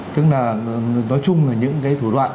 tức là nói chung là những cái thủ đoạn